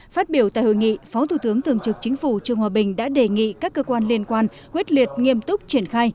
phát biểu tại hội nghị phó thủ tướng thường trực chính phủ trương hòa bình đã đề nghị các cơ quan liên quan quyết liệt nghiêm túc triển khai